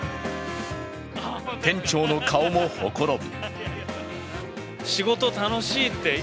店長の顔もほころぶ。